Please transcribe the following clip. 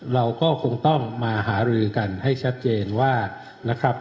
เราก็คงต้องมาหารือกันให้ชัดเจนว่านะครับ